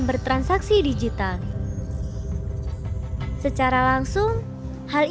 bea juga bisa bagian selalu ark roupa